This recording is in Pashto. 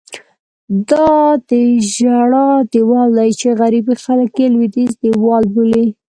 دا د ژړا دیوال دی چې غربي خلک یې لوېدیځ دیوال بولي.